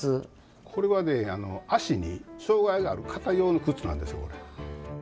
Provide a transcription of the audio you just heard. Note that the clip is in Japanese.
これはね、足に障害がある方用の靴なんですよ。